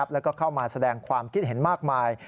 แล้วก็เข้ามาแสดงความคิดเห็นมากมาย